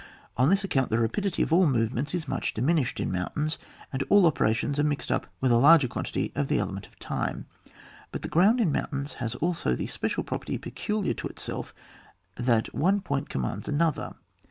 On this account the rapidity of all movements is much dimin ished in mountains, and aU operations are mixed up with a larger quantity of the element of time. But the ground in mountains has also the special property peculiar to itself, that one point commands another.